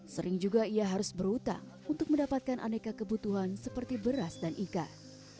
sering juga ia harus berhutang untuk mendapatkan aneka kebutuhan seperti beras dan ikan